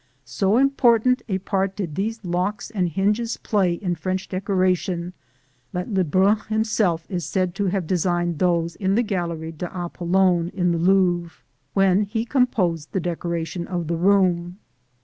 So important a part did these locks and hinges play in French decoration that Lebrun himself is said to have designed those in the Galerie d'Apollon, in the Louvre, when he composed the decoration of the room.